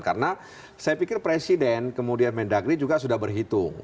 karena saya pikir presiden kemudian mendagri juga sudah berhitung